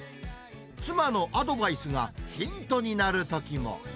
妻のアドバイスがヒントになるときも。